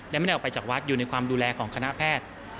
และไม่ได้ออกไปจากวัดอยู่ในความดูแลของคณะแพทย์